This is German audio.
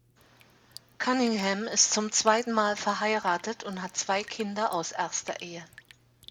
Cunningham ist zum zweiten Mal verheiratet und hat zwei Kinder aus erster Ehe.